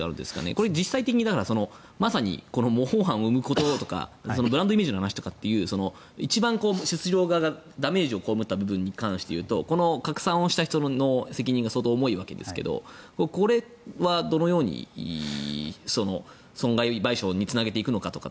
これ、実際にまさに模倣犯を生むこととかブランドイメージとかの一番スシロー側がダメージを被った部分に関していうと拡散をした人の責任が相当重いわけですがこれはどのように損害賠償につなげていくのかとか。